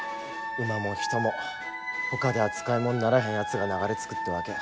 馬も人もほかでは使いもんにならへんやつらが流れつくってわけや。